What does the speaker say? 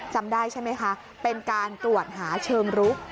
จำได้ใช่ไหมคะเป็นการตรวจหาเชิงรุก